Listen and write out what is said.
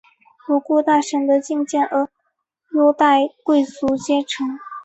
不顾大臣的进谏而优待贵族阶层。